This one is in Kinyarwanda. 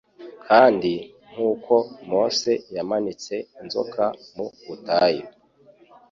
“Kandi nk’uko Mose yamanitse inzoka mu butayu,